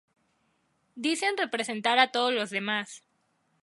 dicen representar a todos los demás